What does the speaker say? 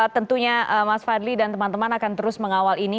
tentunya mas fadli dan teman teman akan terus mengawal ini